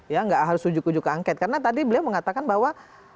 ya nggak harus ujuk ujuk ke angket karena tadi beliau mengatakan bahwa